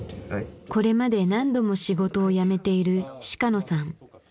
これまで何度も仕事を辞めている鹿野さん。